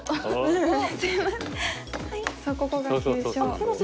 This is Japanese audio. そうここが急所。